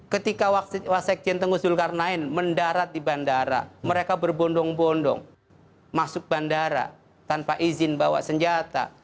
ketika wasekjen tenggu zulkarnain mendarat di bandara mereka berbondong bondong masuk bandara tanpa izin bawa senjata